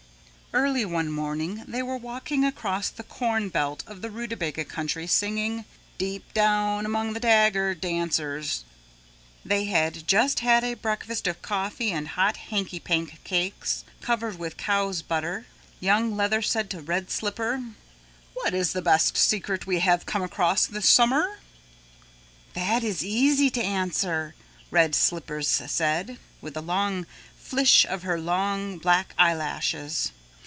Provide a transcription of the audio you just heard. Early one morning they were walking across the corn belt of the Rootabaga Country singing, "Deep Down Among the Dagger Dancers." They had just had a breakfast of coffee and hot hankypank cakes covered with cow's butter. Young Leather said to Red Slippers, "What is the best secret we have come across this summer?" "That is easy to answer," Red Slippers said with a long flish of her long black eyelashes.